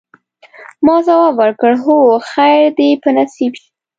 ما ځواب ورکړ: هو، خیر دي په نصیب شه.